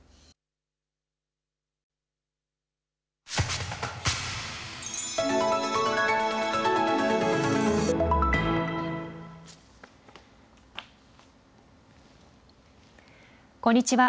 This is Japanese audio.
こんにちは。